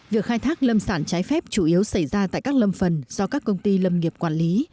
việc khai thác lâm sản trái phép chủ yếu xảy ra tại các lâm phần do các công ty lâm nghiệp quản lý